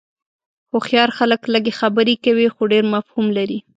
هوښیار خلک لږ خبرې کوي خو ډېر مفهوم لري.